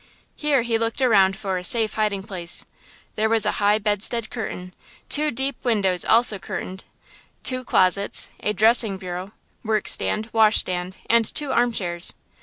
Here he looked around for a safe hiding place–there was a high bedstead curtained; two deep windows also curtained; two closets, a dressing bureau, workstand, washstand and two arm chairs.